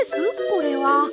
これは。